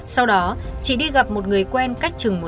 sau đó chị đi gặp một người quen cách chừng một trăm linh m